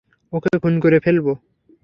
ওকে খুন করে ফেলবো!